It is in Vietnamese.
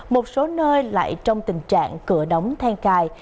một số nơi lại trong tình trạng cửa đóng than cài